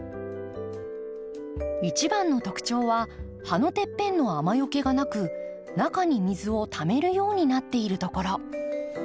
一番の特徴は葉のてっぺんの雨よけがなく中に水をためるようになっているところ。